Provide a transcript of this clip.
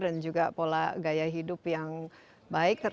dan juga pola gaya hidup yang baik